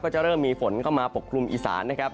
จะเริ่มมีฝนเข้ามาปกคลุมอีสานนะครับ